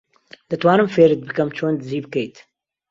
دەتوانم فێرت بکەم چۆن دزی بکەیت.